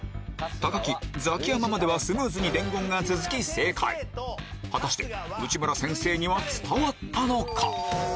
木ザキヤマまではスムーズに伝言が続き正解果たして内村先生には伝わったのか？